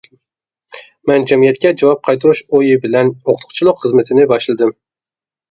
مەن جەمئىيەتكە جاۋاب قايتۇرۇش ئويى بىلەن ئوقۇتقۇچىلىق خىزمىتىنى باشلىدىم.